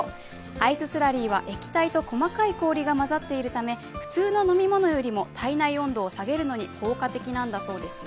アイススラリーは液体と細かい氷が混ざっているため普通の飲み物よりも体内温度を下げるのに効果的なんだそうですよ。